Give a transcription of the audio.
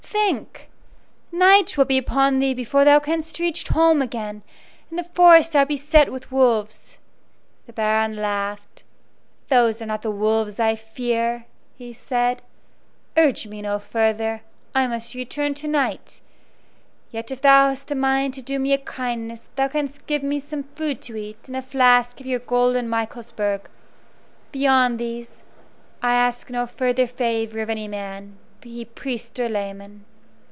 Think! Night will be upon thee before thou canst reach home again, and the forests are beset with wolves." The Baron laughed. "Those are not the wolves I fear," said he. "Urge me no further, I must return to night; yet if thou hast a mind to do me a kindness thou canst give me some food to eat and a flask of your golden Michaelsburg; beyond these, I ask no further favor of any man, be he priest or layman."